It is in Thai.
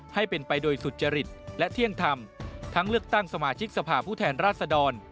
ให้เป็นไปโดยสุจริตและเที่ยงธรรมทั้งเลือกตั้งสมาชิกสภาพผู้แทนราชดร